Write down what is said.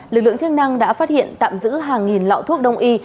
lực lượng chức năng đã phát hiện tạm giữ hàng nghìn lọ thuốc đông y